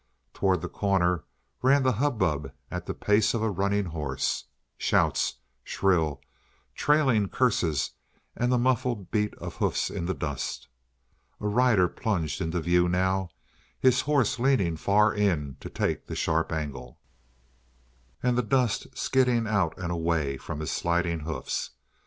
Toward the corner ran the hubbub at the pace of a running horse. Shouts, shrill, trailing curses, and the muffled beat of hoofs in the dust. A rider plunged into view now, his horse leaning far in to take the sharp angle, and the dust skidding out and away from his sliding hoofs.